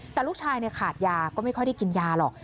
แต่ลูกชายขาดยาก็ไม่ค่อยได้กินยาหรอก